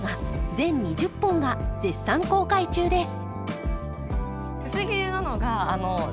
全２０本が絶賛公開中です